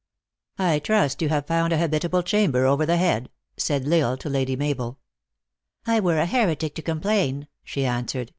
" I trust you have found a habitable chamber over head," said L Isle to Lady Mabel. " I were a heretic to complain," she answered.